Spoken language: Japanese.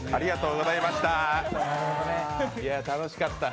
いや、楽しかった。